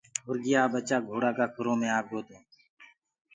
مرگيآ ڪو ٻچآ گھوڙآ ڪآ کُرو مي آگو تو۔